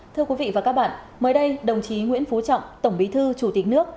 thưa quý vị và các bạn mới đây đồng chí nguyễn phú trọng tổng bí thư chủ tịch nước